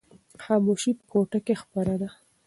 خاموشي په کوټه کې خپره ده.